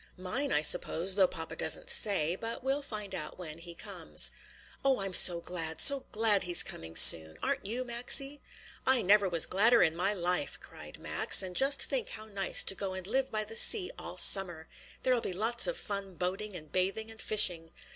"Mine I suppose, though papa doesn't say; but we'll find out when he comes." "Oh, I'm so glad, so glad he's coming soon! Aren't you, Maxie?" "I never was gladder in my life!" cried Max. "And just think how nice to go and live by the sea all summer! There'll be lots of fun boating and bathing and fishing!"